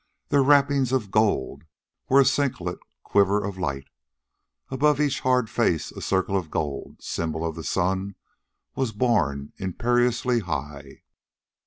Their wrappings of gold were a scintillant quiver of light; above each hard face a circle of gold symbol of the sun was borne imperiously high.